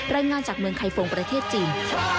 รายงานจากเมืองไคฟงประเทศจีน